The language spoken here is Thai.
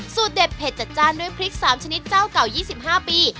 เด็ดเผ็ดจัดจ้านด้วยพริก๓ชนิดเจ้าเก่า๒๕ปี